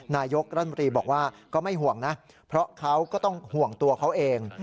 นายกรัฐมนตรีบอกว่าก็ไม่ห่วงนะเพราะเขาก็ต้องห่วงตัวเขาเอง